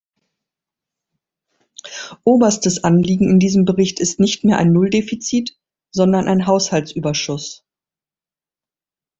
Oberstes Anliegen in diesem Bericht ist nicht mehr ein Nulldefizit, sondern ein Haushaltsüberschuss.